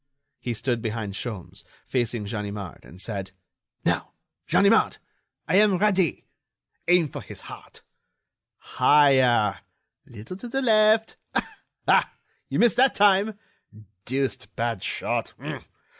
He stood behind Sholmes, facing Ganimard, and said: "Now, Ganimard, I am ready! Aim for his heart!... Higher!... A little to the left.... Ah! you missed that time ... deuced bad shot....